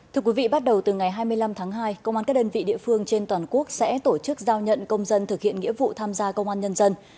thưa quý vị bắt đầu từ ngày hai mươi năm tháng hai công an các đơn vị địa phương trên toàn quốc sẽ tổ chức giao nhận công dân thực hiện nghĩa vụ tham gia công an nhân dân